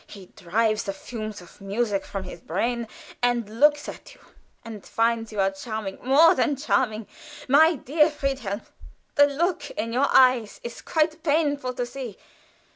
He drives the fumes of music from his brain, and looks at you, and finds you charming more than charming. My dear Friedhelm, the look in your eyes is quite painful to see.